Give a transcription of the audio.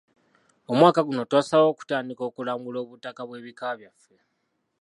Omwaka guno twasalawo okutandika okulambula obutaka bw'ebika byaffe.